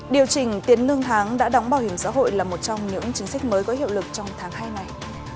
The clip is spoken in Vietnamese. điều chỉnh tiền lương tháng đã đóng bảo hiểm xã hội là một trong những chính sách mới có hiệu lực trong tháng hai này